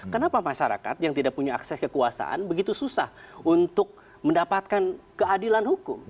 kenapa masyarakat yang tidak punya akses kekuasaan begitu susah untuk mendapatkan keadilan hukum